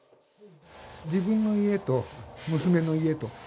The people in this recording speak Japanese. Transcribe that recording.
自分の家と娘の家と。